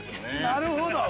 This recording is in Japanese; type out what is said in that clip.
◆なるほど。